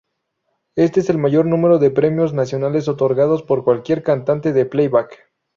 Este es el mayor número de premios nacionales otorgados por cualquier cantante de playback.